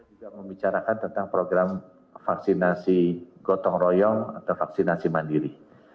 juga membicarakan tentang program vaksinasi gotong royong atau vaksinasi mandiri